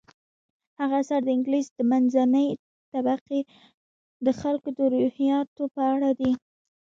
هغه اثر د انګلیس د منځنۍ طبقې د خلکو د روحیاتو په اړه دی.